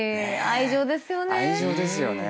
愛情ですよね。